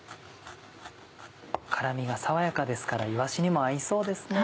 辛みが爽やかですからいわしにも合いそうですね。